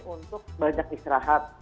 untuk banyak istirahat